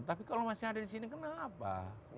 tapi kalau masih ada di sini kenapa